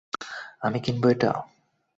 আমি কিনবো এটা?